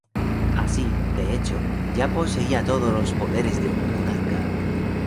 Así, de hecho, ya poseía todos los poderes de un monarca.